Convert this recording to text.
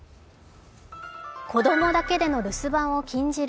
子供だけでの留守番を禁じる